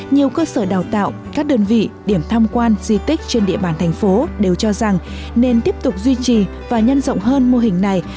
nhiều cơ sở đào tạo các đơn vị điểm tham quan di tích trên địa bàn thành phố đều cho rằng nên tiếp tục duy trì và nhân rộng hơn mô hình này